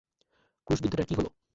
ক্রুশবিদ্ধটার কি হলো?